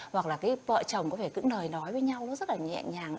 hoặc là cái vợ chồng có thể cứ nời nói với nhau nó rất là nhẹ nhàng